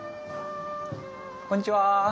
こんにちは。